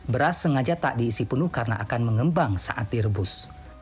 beras sengaja tak diisi penuh karena akan mengembang saat direbus